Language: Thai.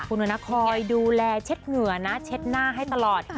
คุณนะคอยดูแลเช็ดเหงื่อนะเช็ดหน้าให้ตลอด